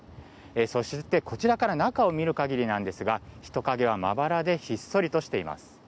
そして、こちらから中を見る限りなんですが人影はまばらでひっそりとしています。